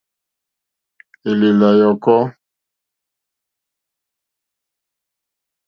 Èlèlà yɔ̀kɔ́.